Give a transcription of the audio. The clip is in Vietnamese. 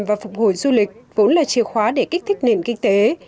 và phục hồi du lịch vốn là chìa khóa để kích thích nền kinh tế